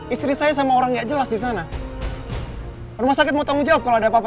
istri saya sama orang nggak jelas di sana rumah sakit mau tanggung jawab kalau ada apa apa